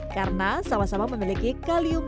karena sama sama memiliki kalium